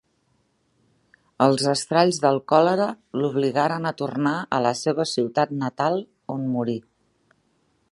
Els estralls del còlera l'obligaren a tornar a la seva ciutat natal, on morí.